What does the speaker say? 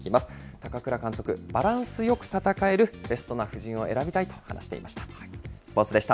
高倉監督、バランスよく戦える、ベストな布陣を選びたいと話していました。